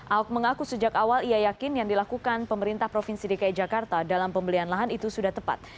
ahok mengaku sejak awal ia yakin yang dilakukan pemerintah provinsi dki jakarta dalam pembelian lahan itu sudah tepat